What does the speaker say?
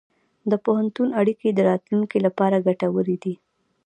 د پوهنتون اړیکې د راتلونکي لپاره ګټورې دي.